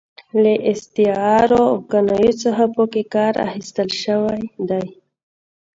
له استعارو او کنایو څخه پکې کار اخیستل شوی وي.